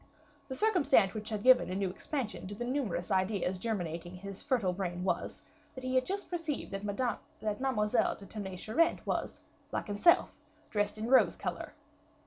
The circumstance which had given a new expansion to the numerous ideas germinating in his fertile brain was, that he had just perceived that Mademoiselle de Tonnay Charente was, like himself, dressed in rose color.